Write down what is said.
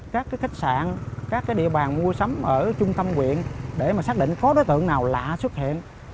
các khách sạn các địa bàn mua sắm ở trung tâm quyện để mà xác định có đối tượng nào lạ xuất hiện